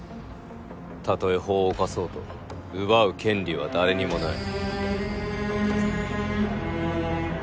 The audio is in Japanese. たとえ法を犯そうと奪う権利は誰にもない。